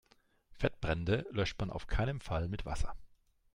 Fettbrände löscht man in keinem Fall mit Wasser.